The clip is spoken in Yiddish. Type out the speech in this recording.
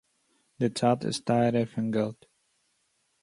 די צײַט איז טײַערער פֿון געלט.